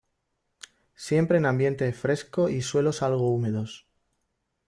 Siempre en ambiente fresco y suelos algo húmedos.